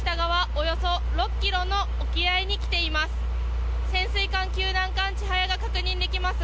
およそ６ｋｍの沖合に来ています。